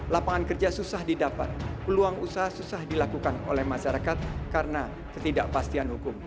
lapangan kerja susah didapat peluang usaha susah dilakukan oleh masyarakat karena ketidakpastian hukum